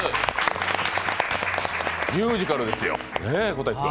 ミュージカルですよ小瀧君。